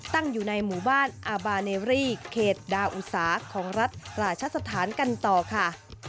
ตั้งอยู่ในหมู่บ้านอาบาเนรี่เขตดาอุตสาของรัฐราชสถานกันต่อค่ะ